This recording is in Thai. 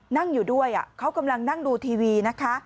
นั่งอยู่ด้วยเขากำลังนั่งดูทีวีนะคะ